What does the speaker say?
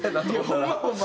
ホンマホンマ。